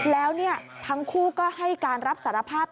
แล้วทั้งคู่ก็ให้การรับสารภาพ